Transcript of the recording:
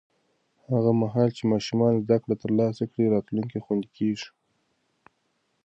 هغه مهال چې ماشومان زده کړه ترلاسه کړي، راتلونکی خوندي کېږي.